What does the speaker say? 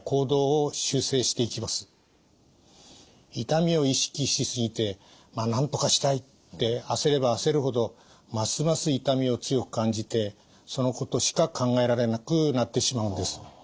痛みを意識し過ぎてなんとかしたいって焦れば焦るほどますます痛みを強く感じてそのことしか考えられなくなってしまうんです。